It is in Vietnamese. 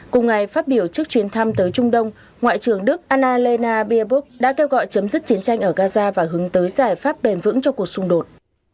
cùng ngày phát biểu trước chuyến thăm tới trung đông ngoại trưởng đức annalena barbook đã kêu gọi chấm dứt chiến tranh ở gaza và hướng tới giải pháp bền vững cho cuộc xung đột